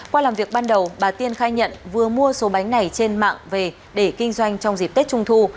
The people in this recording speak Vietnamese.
qua làm việc ban đầu bà tiên khai nhận vừa mua số bánh này trên mạng về để kinh doanh trong dịp tết trung thu